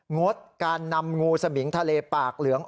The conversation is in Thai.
งดการนำงูสมิงทะเลปากเหลือง